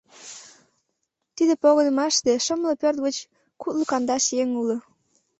Тиде погынымаште шымле пӧрт гыч кудло кандаш еҥ уло.